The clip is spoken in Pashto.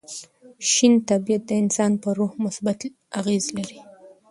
شین طبیعت د انسان پر روح مثبت اغېزه لري.